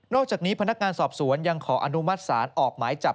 อกจากนี้พนักงานสอบสวนยังขออนุมัติศาลออกหมายจับ